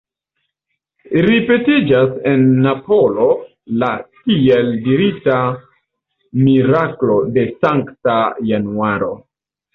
Ripetiĝas en Napolo la tiel dirita «miraklo de Sankta Januaro».